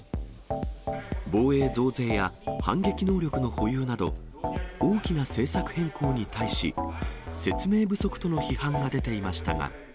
防衛増税や反撃能力の保有など、大きな政策変更に対し、説明不足との批判が出ていましたが。